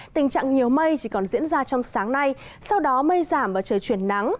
tình trạng nhiều mây chỉ còn diễn ra trong sáng nay sau đó mây giảm và trời chuyển nắng